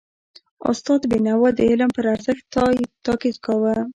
استاد بینوا د علم پر ارزښت تاکید کاوه.